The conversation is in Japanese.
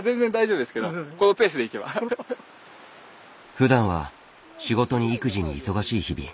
ふだんは仕事に育児に忙しい日々。